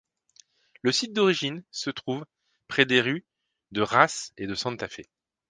Le site d'origine se trouve près des rues de Race et de Santa Fe.